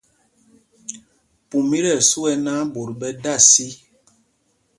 Pum i tí ɛsu ɛ náǎ, ɓot ɓɛ da sí.